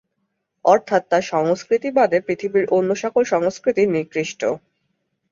অর্থাৎ তার সংস্কৃতি বাদে পৃথিবীর অন্য সকল সংস্কৃতি নিকৃষ্ট।